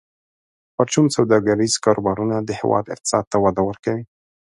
پرچون سوداګریز کاروبارونه د هیواد اقتصاد ته وده ورکوي.